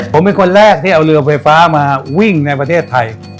ผมเป็นคนแรกที่เอาเรือไฟฟ้ามาวิ่งในประเทศไทย